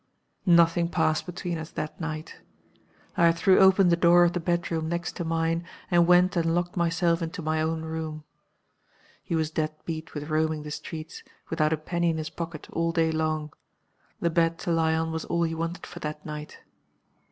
"Nothing passed between us that night. I threw open the door of the bedroom next to mine, and went and locked myself into my own room. He was dead beat with roaming the streets, without a penny in his pocket, all day long. The bed to lie on was all he wanted for that night.